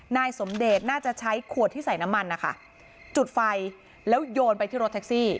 นายสมเดชน่าจะใช้ขวดที่ใส่น้ำมันนะคะจุดไฟแล้วโยนไปที่รถแท็กซี่